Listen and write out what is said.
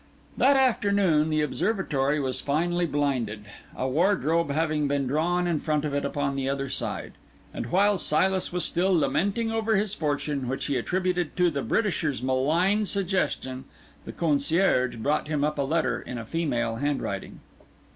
That afternoon the observatory was finally blinded, a wardrobe having been drawn in front of it upon the other side; and while Silas was still lamenting over this misfortune, which he attributed to the Britisher's malign suggestion, the concierge brought him up a letter in a female handwriting.